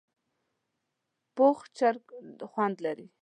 پوخ چرګ خوند لري